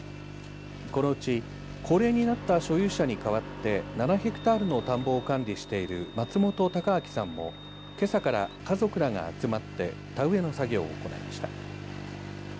このうち高齢になった所有者にかわって７ヘクタールの田んぼを管理している松本高明さんもけさから家族らが集まって田植えの作業を行いました。